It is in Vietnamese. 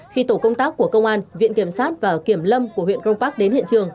khi tổ công tác của công an viện kiểm sát và kiểm lâm của huyện cron park đến hiện trường